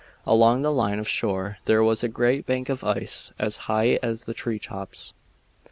Along the line of shore there was a great bank of ice as high as the tree tops.